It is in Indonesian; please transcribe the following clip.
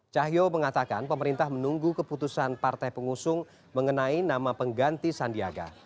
cahyo mengatakan pemerintah menunggu keputusan partai pengusung mengenai nama pengganti sandiaga